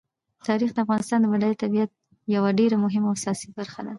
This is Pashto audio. تاریخ د افغانستان د بډایه طبیعت یوه ډېره مهمه او اساسي برخه ده.